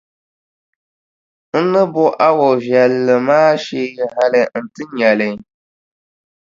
N ni bo a wɔʼ viɛlli maa shee hali nti nya li.